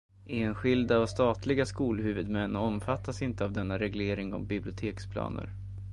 Enskilda och statliga skolhuvudmän omfattas inte av denna reglering om biblioteksplaner.